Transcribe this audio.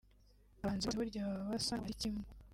abahanzi bose burya baba basa n’aho ari kimwe